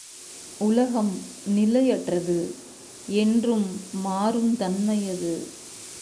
உலகம் நிலையற்றது, என்றும் மாறுந் தன்மையது.